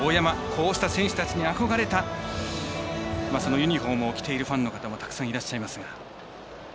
こうした選手たちに憧れたユニフォームを着ているファンの方もたくさんいらっしゃいますが。